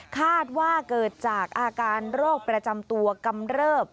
คาดว่าเกิดจากอาการโรคประจำตัวกำเริบ